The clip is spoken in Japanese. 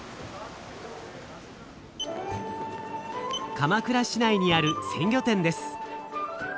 鎌倉市内にある鮮魚店です。